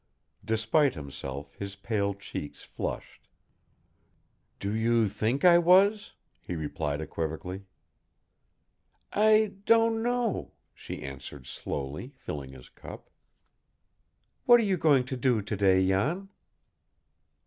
Despite himself, his pale cheeks flushed. "Do you think I was?" he replied equivocally. "I don't know," she answered slowly, filling his cup. "What are you going to do to day, Jan?"